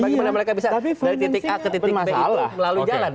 bagaimana mereka bisa dari titik a ke titik b itu melalui jalan